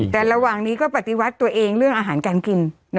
ก็ต้องปฏิวัติตัวเองเรื่องอาหารการกิน